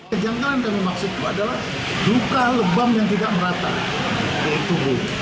kejangan yang dimaksudkan adalah luka lebam yang tidak merata yaitu bu